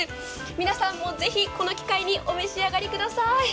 皆さんも是非、この機会にお召し上がりください。